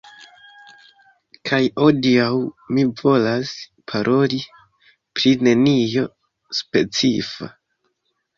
Kaj hodiaŭ mi volas paroli pri nenio specifa